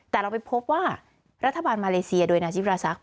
แต่เราไปพบว่ารัฐบาลมาเลเซียโดยนาจิปราศักดิ